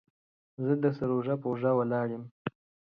زه درسره اوږه په اوږه ولاړ يم.